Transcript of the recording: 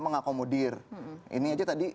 mengakomodir ini aja tadi